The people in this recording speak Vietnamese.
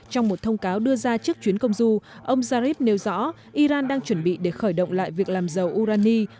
trong một thông cáo đưa ra trước chuyến công du ông zarif nêu rõ iran đang chuẩn bị để khởi động lại việc làm dầu urani